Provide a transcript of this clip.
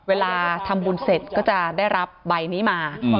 เวลาทำบุญเสร็จก็จะได้รับใบนี้มา